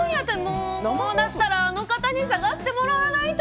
こうなったらあの方に探してもらわないと。